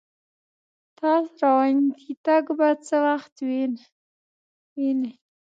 تاس روانیدتک به څه وخت وین